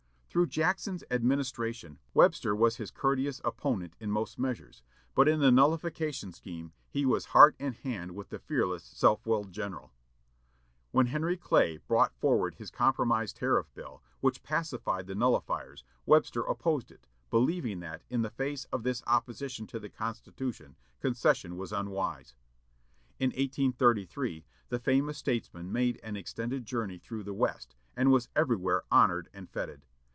Through Jackson's administration Webster was his courteous opponent in most measures, but in the nullification scheme he was heart and hand with the fearless, self willed general. When Henry Clay brought forward his compromise tariff bill, which pacified the nullifiers, Webster opposed it, believing that, in the face of this opposition to the Constitution, concession was unwise. In 1833, the famous statesman made an extended journey through the West, and was everywhere honored and fêted.